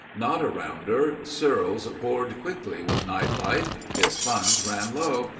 Not a rounder, Searles bored quickly with night life. His funds ran low.